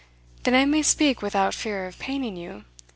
'Then I may speak without fear of paining you.